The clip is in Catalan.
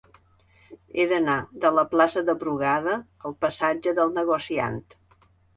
He d'anar de la plaça de Brugada al passatge del Negociant.